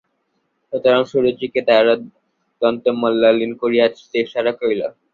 সুতরাং সুরুচিকে তাহারা দন্তোন্মীলন করিয়া দেশছাড়া করিল।